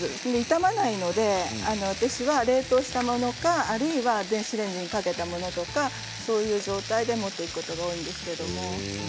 傷まないので私は冷凍したものか、あるいは電子レンジにかけたものとかそういう状態で持っていくことが多いです。